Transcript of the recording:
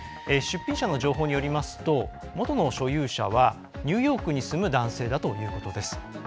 出品者の情報によりますともとの所有者はニューヨークに住む男性だということです。